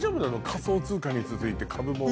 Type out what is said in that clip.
仮想通貨に続いて株も？